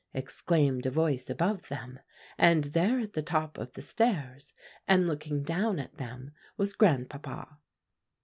exclaimed a voice above them; and there at the top of the stairs, and looking down at them, was Grandpapa.